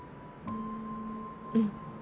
うん。